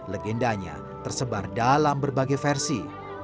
legendanya tersebar dalam berbagai versi